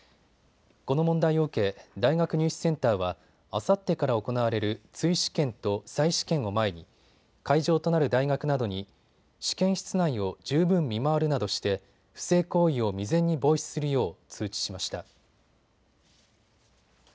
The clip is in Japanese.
この問題を受け、大学入試センターはあさってから行われる追試験と再試験を前に会場となる大学などに試験室内を十分見回るなどして不正行為を未然に防止するよう通知しました。